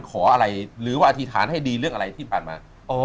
ขออะไรหรือว่าอธิษฐานให้ดีเรื่องอะไรที่ผ่านมา